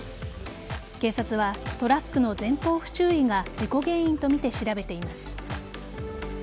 警察はトラックの前方不注意が事故原因とみて調べています。